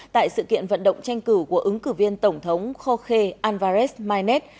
tại sự kiện vận động tranh cử của ứng cử viên tổng thống jorge álvarez maynard